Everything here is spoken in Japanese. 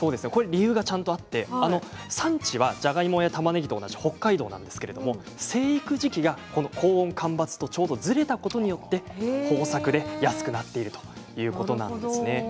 理由がちゃんとあって産地はじゃがいもやたまねぎと同じ北海道なんですけれど生育時期が、高温、干ばつとちょうどずれたことによって豊作で安くなっているということなんですね。